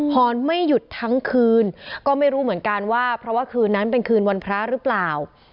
หอนไม่หยุดทั้งคืนก็ไม่รู้เหมือนกันว่าเพราะว่าคืนนั้นเป็นคืนวันพระหรือเปล่า